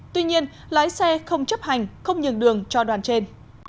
tuy nhiên lái xe không chấp hành không nhường đường cho đoàn trên